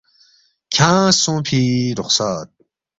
کھیانگ سونگفی رخصت